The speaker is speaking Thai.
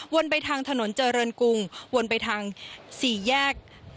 ไปทางถนนเจริญกรุงวนไปทางสี่แยก